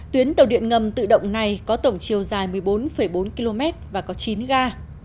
tuyến tàu điện ngầm tự động này có tổng chiều dài một mươi bốn bốn km và có chín ga